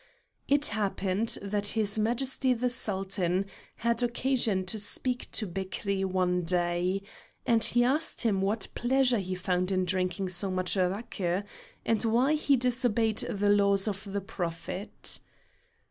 It happened that his Majesty the Sultan had occasion to speak to Bekri one day, and he asked him what pleasure he found in drinking so much raki, and why he disobeyed the laws of the Prophet.